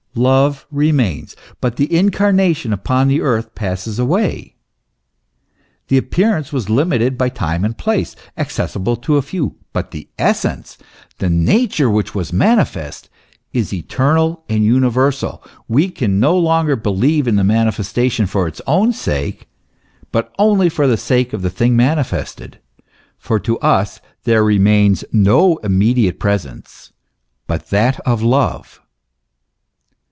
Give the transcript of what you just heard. Love remains, but the incarnation upon the earth passes away: the appearance was limited by time and place, accessible to few; but the essence, the nature which was manifested, is eternal and universal. We can no longer believe in the manifestation for its own sake, but only for the sake of the thing manifested ; for to us there remains no immediate presence but that of love.